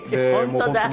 本当だ。